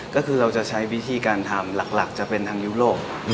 ก็คือเราจะใช้วิธีการทำหลักจะเป็นทางยุโรป